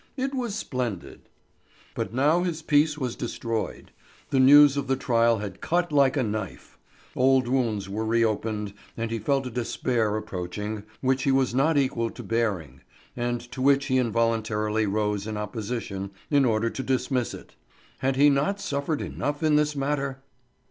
It was splendid! But now his peace was destroyed. The news of the trial had cut like a knife. Old wounds were reopened, and he felt a despair approaching, which he was not equal to bearing, and to which he involuntarily rose in opposition, in order to dismiss it. Had he not suffered enough in this matter?